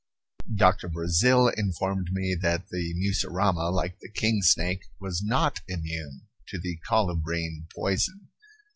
Doctor Brazil informed me that the mussurama, like the king snake, was not immune to the colubrine poison.